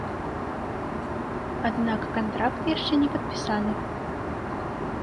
Аднак кантракт яшчэ не падпісаны.